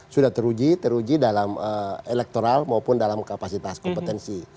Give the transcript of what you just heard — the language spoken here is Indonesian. sudah teruji dalam elektoral maupun dalam kapasitas kompetensi